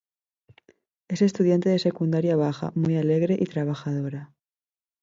Es estudiante de secundaria baja, muy alegre y trabajadora.